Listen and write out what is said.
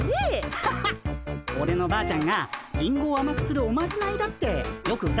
アハハッオレのばあちゃんがリンゴをあまくするおまじないだってよく歌ってたんすよね。